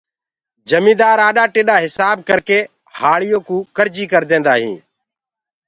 جميندآر آڏآ ٽيڏآ هسآب ڪرڪي هآݪيوڪو ڪرجي ڪرديندآ هين اور